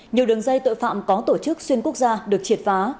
nhiều đường dây tội phạm có tổ chức xuyên quốc gia được triệt phá